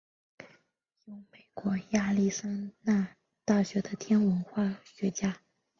由美国亚利桑那大学的天文化学家。